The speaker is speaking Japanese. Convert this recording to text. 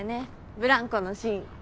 ブランコのシーン。